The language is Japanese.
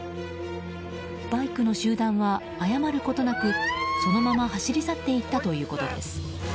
バイクの集団は謝ることなくそのまま走り去っていったということです。